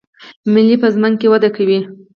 ملی په ځمکه کې وده کوي